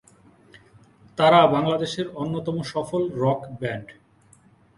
তারা বাংলাদেশের অন্যতম সফল রক ব্যান্ড।